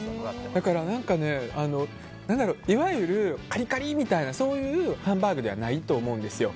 だから何か、いわゆるカリカリみたいなハンバーグではないと思うんですよ。